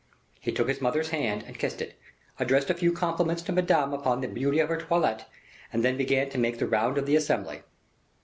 He took his mother's hand and kissed it, addressed a few compliments to Madame upon the beauty of her toilette, and then began to make the round of the assembly.